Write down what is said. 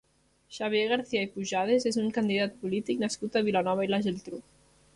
Xavier Garcia i Pujades és un candidat polític nascut a Vilanova i la Geltrú.